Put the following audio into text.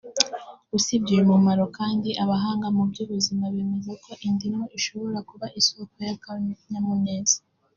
usibye uyu mumaro kandi abahanga mu by’ubuzima bemeza ko indimu ishobora kuba isoko y’akanyamuneza